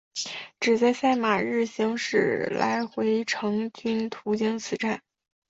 只在赛马日行驶来回程均途经此站。